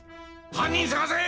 犯人捜せ！